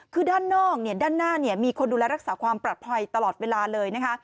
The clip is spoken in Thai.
คือด้านนอกด้านหน้ามีคนดูแลรักษาความปลอดภัยตลอดเวลาเลยนะคะ